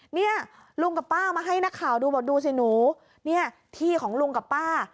เนี่ยลุงกับป้ามาให้นักข่าวดูบอกดูสิหนูเนี่ยที่ของลุงกับป้า